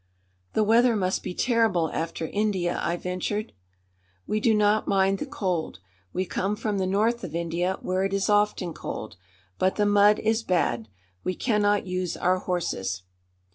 "The weather must be terrible after India," I ventured. "We do not mind the cold. We come from the north of India, where it is often cold. But the mud is bad. We cannot use our horses."